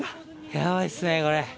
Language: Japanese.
ヤバいっすねこれ。